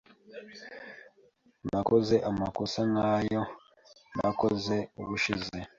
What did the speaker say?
Nakoze amakosa nkayo nakoze ubushize.